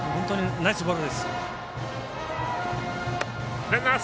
ナイスボールです。